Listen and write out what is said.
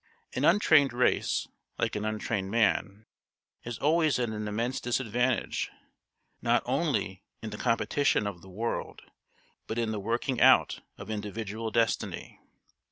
An untrained race, like an untrained man, is always at an immense disadvantage, not only in the competition of the world, but in the working out of individual destiny.